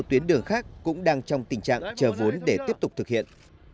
tuyến đường khác cũng đang trong tình trạng chờ vốn để tiếp tục thực hiện